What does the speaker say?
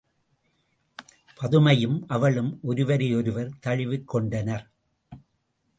பதுமையும் அவளும் ஒருவரை யொருவர் தழுவிக் கொண்டனர்.